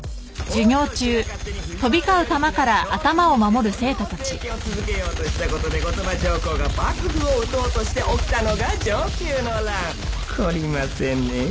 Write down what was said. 北条氏が勝手に藤原頼経を将軍にしてそのまま政権を続けようとしたことで後鳥羽上皇が幕府を討とうとして起きたのが承久の乱懲りませんねえ